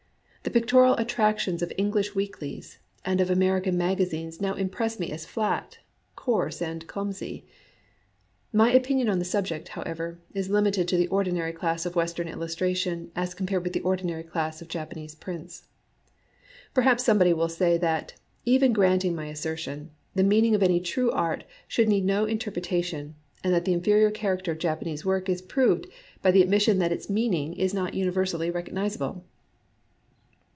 The pictorial attractions of English weeklies and of American magazines now impress me as flat, coarse, and clumsy. My opinion on the subject, however, is limited to the ordinary class of Western illustration as compared with the ordinary class of Japa nese prints. Perhaps somebody will say that, even grant ing my assertion, the meaning of any true art should need no interpretation, and that the inferior character of Japanese work is proved by the admission that its meaning is not uni versally recognizable.